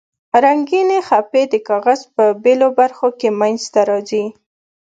رنګینې خپې د کاغذ په بیلو برخو کې منځ ته راځي.